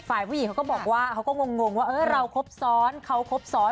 ฝ่ายผู้หญิงเขาก็บอกว่าเขาก็งงว่าเราครบซ้อนเขาครบซ้อน